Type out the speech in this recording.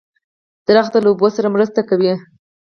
• ونه له اوبو سره مرسته کوي.